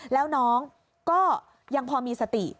แล้วน้องก็ยังพอมีสติ